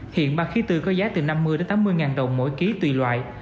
hiện ba khía tư có giá từ năm mươi tám mươi ngàn đồng mỗi ký tùy loại